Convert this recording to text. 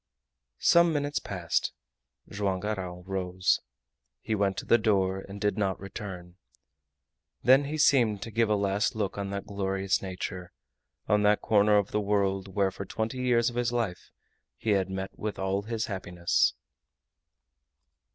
Some minutes passed. Joam Garral rose. He went to the door, and did not return. Then he seemed to give a last look on that glorious nature, on that corner of the world where for twenty years of his life he had met with all his happiness.